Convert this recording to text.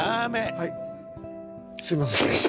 はいすいませんでした。